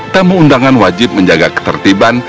tamu undangan wajib menjaga ketertiban